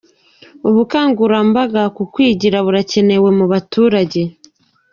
Ubukangurambaga ku kwigira burakenewe mu baturage.